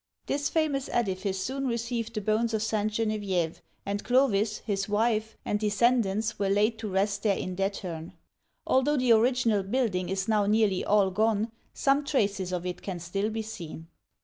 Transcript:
This famous edifice soon received the bones of St. Gene vieve, and Clovis, his wife, and descendants were laid to rest there in their turn. Although the original building is now nearly all gone, some traces of it can still be seen.